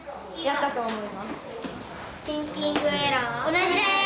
同じです！